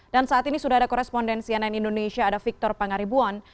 dan saat ini sudah ada korespondensi yang lain indonesia ada victor pangaribuan